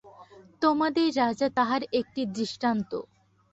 তোমাদের রাজা তাহার একটি দৃষ্টান্ত।